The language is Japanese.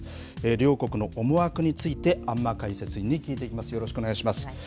両国の思惑について、安間解説委員に聞いていきます、よろしくお願いします。